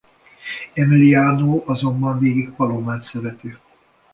Emiliano azonban végig Palomát szereti.